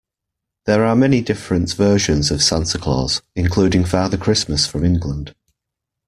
There are many different versions of Santa Claus, including Father Christmas from England